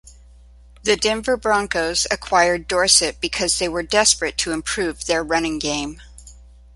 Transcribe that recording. The Denver Broncos acquired Dorsett because they were desperate to improve their running game.